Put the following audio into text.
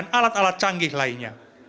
untuk memanfaatkan alat alat canggih lainnya